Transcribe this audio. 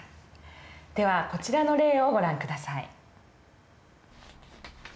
ではこちらの例をご覧下さい。